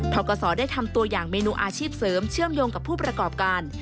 กศได้ทำตัวอย่างเมนูอาชีพเสริมเชื่อมโยงกับผู้ประกอบการ